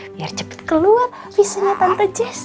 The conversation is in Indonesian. biar cepet keluar visa nya tante jess